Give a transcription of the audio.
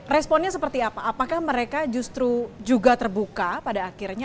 responnya seperti apa apakah mereka justru juga terbuka pada akhirnya